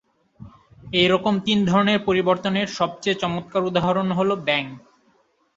এইরকম তিন ধরনের পরিবর্তনের সবচেয়ে চমৎকার উদাহরণ হল ব্যাঙ।